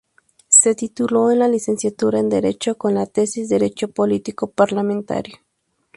Se tituló en la licenciatura en derecho con la tesis "Derecho Político Parlamentario.